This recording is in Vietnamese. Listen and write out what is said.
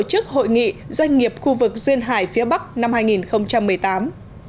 chức hội nghị doanh nghiệp khu vực duyên hải phía bắc năm hai nghìn